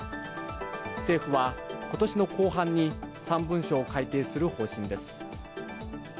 政府は、今年の後半に３文書を改定する方針です。